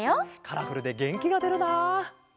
カラフルでげんきがでるな！